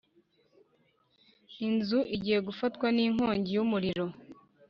Inzu igiye gufatwa n’inkongi y’umuriro